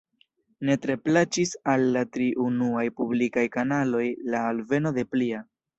Ne tre plaĉis al la tri unuaj publikaj kanaloj la alveno de plia.